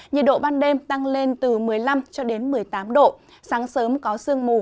nhiệt độ ban đêm tăng lên từ một mươi năm cho đến một mươi tám độ sáng sớm có sương mù